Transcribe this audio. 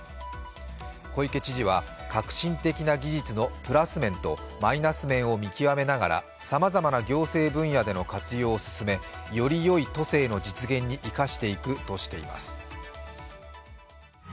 小池知事は、革新的な技術のプラス面とマイナス面を見極めながらさまざまな行政分野での活用を進めよりよい都政の実現に生かしていくとしています。